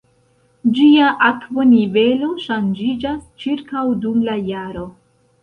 Ĝia akvonivelo ŝanĝiĝas ĉirkaŭ dum la jaro.